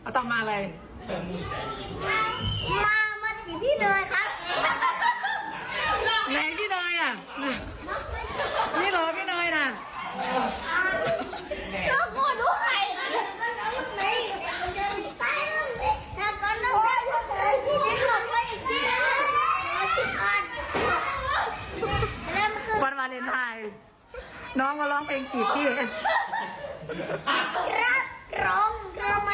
วันวาเลนไทยน้องก็ร้องเพลงสีเทียน